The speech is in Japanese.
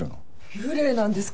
幽霊なんですか？